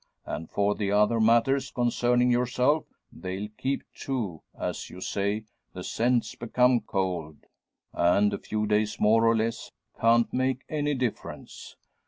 And for the other matters concerning yourself, they'll keep, too. As you say, the scent's become cold; and a few days more or less can't make any difference.